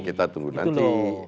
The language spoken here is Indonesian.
kita tunggu nanti